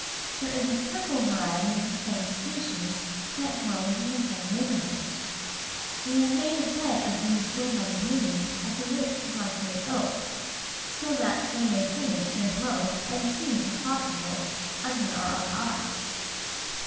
There is a purple variety of the same species, that grows in the same neighborhoods. We have made a bed of these woodland beauties at the roots of our great oak, so that they may finish their growth, and seed, if possible, under our own eye.